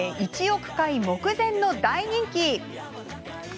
１億回目前の大人気。